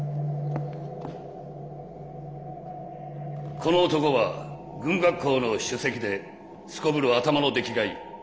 この男は軍学校の首席ですこぶる頭の出来がいい。